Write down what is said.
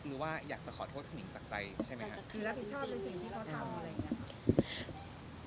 หรือว่าอยากจะขอโทษคุณหนึ่งจากใจใช่ไหมค่ะหรือรับผิดชอบเป็นสิ่งที่เขาถามอะไร